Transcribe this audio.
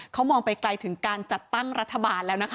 เขามองไปไกลถึงการจัดตั้งรัฐบาลแล้วนะคะ